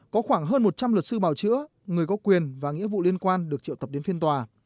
có khoảng hơn một trăm linh luật sư bào chữa người có quyền và nghĩa vụ liên quan được triệu tập đến phiên tòa